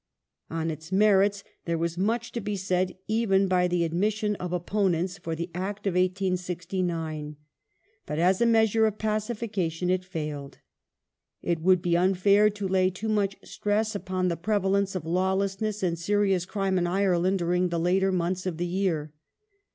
^ On its merits there was much to be said, even by the admission of opponents, for the Act of 1869 ; but as a measure of pacification it failed. It would be unfair to lay too much stress upon the pre | valence of lawlessness and serious crime in Ireland during the later j months of the year.